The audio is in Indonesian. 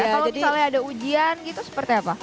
kalau misalnya ada ujian gitu seperti apa